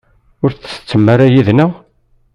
Ur tsettem ara yid-nneɣ?